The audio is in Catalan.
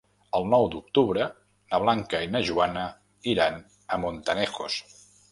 El nou d'octubre na Blanca i na Joana iran a Montanejos.